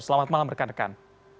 selamat malam rekan rekan